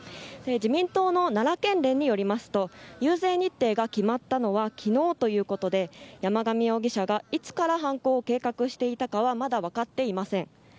自民党の奈良県連によりますと遊説日程が決まったのは昨日ということで山上容疑者がいつから犯行を計画していたかはまだ分かっていません。